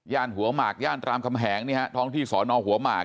ย่านหัวหมากย่านตรามคำแหงท้องที่สอนอหัวหมาก